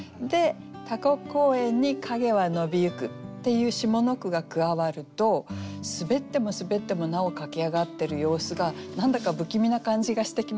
「タコ公園に影は伸びゆく」っていう下の句が加わるとすべってもすべってもなお駆け上がってる様子が何だか不気味な感じがしてきませんか？